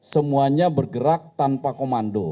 semuanya bergerak tanpa komando